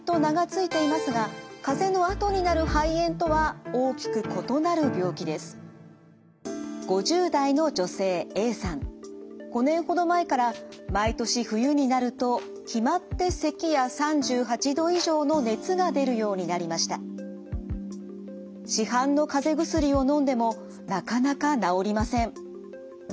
市販のかぜ薬をのんでもなかなか治りません。